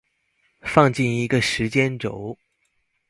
放進一個時間軸